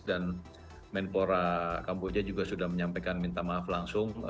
dan menpora kampoja juga sudah menyampaikan minta maaf langsung